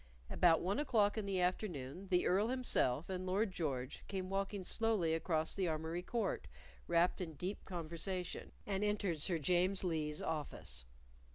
About one o'clock in the afternoon the Earl himself and Lord George came walking slowly across the Armory Court wrapped in deep conversation, and entered Sir James Lee's office.